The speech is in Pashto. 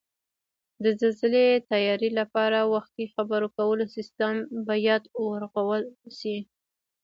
د زلزلې تیاري لپاره وختي خبرکولو سیستم بیاد ورغول شي